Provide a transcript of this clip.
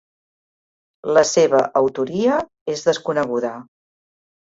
La seva autoria és desconeguda.